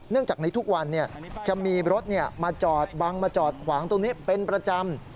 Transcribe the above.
จากในทุกวันจะมีรถมาจอดบังมาจอดขวางตรงนี้เป็นประจำ